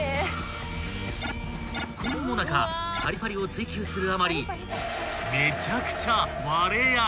［このモナカパリパリを追求するあまり］